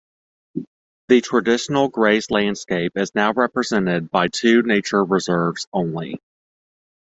The traditional grazed landscape is now represented by two nature reserves only.